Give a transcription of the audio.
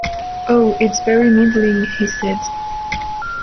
“Oh, it’s very middling,” he said.